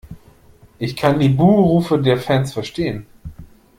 Ich kann die Buh-Rufe der Fans verstehen.